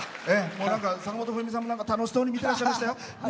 坂本冬美さんが楽しそうに見てらっしゃいましたよ。